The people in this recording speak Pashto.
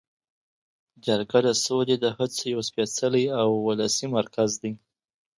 جرګه د سولې د هڅو یو سپیڅلی او ولسي مرکز دی.